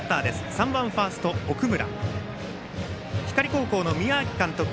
３番、ファースト、奥村。